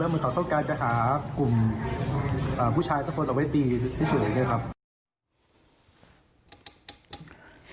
มันเหมือนเขาต้องการจะหากลุ่มอ่าผู้ชายสะพดเอาไว้ตีที่สุดเนี่ยครับ